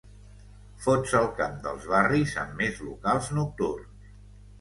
Fots el camp dels barris amb més locals nocturns.